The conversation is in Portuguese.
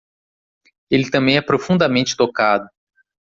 Ele também é profundamente tocado